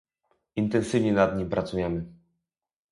Intensywnie nad nim pracujemy